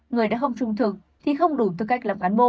người đã không trung thực thì không đủ tư cách là cán bộ